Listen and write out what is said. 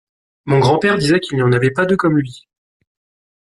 Mon grand-père disait qu’il n’y en avait pas deux comme lui.